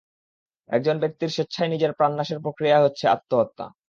একজন ব্যাক্তির স্বেচ্ছায় নিজের প্রাণনাশের প্রক্রিয়ায় হচ্ছে আত্মহত্যা।